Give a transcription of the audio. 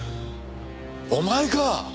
お前か！